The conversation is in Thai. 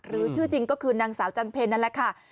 ชื่อจริงก็คือนางสาวจันเพลนั่นแหละค่ะ